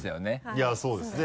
いやそうですね